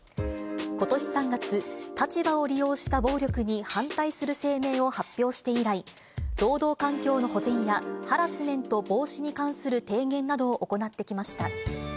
ことし３月、立場を利用した暴力に反対する声明を発表して以来、労働環境の保全やハラスメント防止に関する提言などを行ってきました。